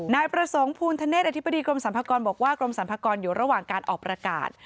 นายประสงค์ภูณธเนศอธิบดีกรมสรรพากรบอกว่ากรมสรรพากรอยู่ระหว่างการออกประกาศ